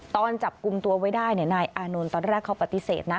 ตอนจับกลุ่มตัวไว้ได้นายอานนท์ตอนแรกเขาปฏิเสธนะ